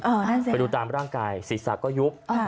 อ๋อนั่นแสดงไปดูตามร่างกายศรีษะก็ยุบอ่า